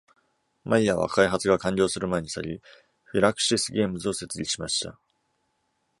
マイヤーは開発が完了する前に去り、フィラクシス・ゲームズを設立しました。